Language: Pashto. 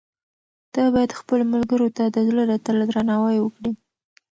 ته باید خپلو ملګرو ته د زړه له تله درناوی وکړې.